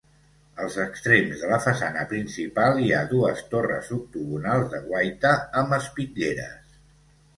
Als extrems de la façana principal hi ha dues torres octogonals de guaita amb espitlleres.